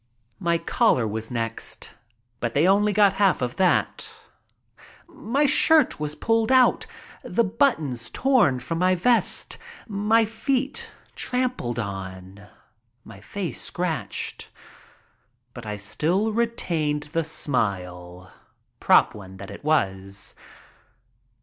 My collar was next. But they only got half of that. My shirt was pulled out. The buttons torn from my vest. My feet trampled on. My face scratched. But I still retained the smile, "prop" one though it was.